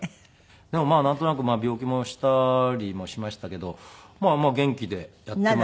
でもなんとなく病気もしたりもしましたけどまあまあ元気でやっています。